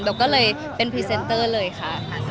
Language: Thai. ก็เลยเป็นพรีเซนเตอร์เลยค่ะ